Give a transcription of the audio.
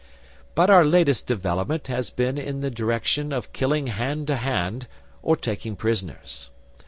But our latest development has been in the direction of killing hand to hand or taking prisoners.